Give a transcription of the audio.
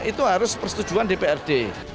itu harus persetujuan dprd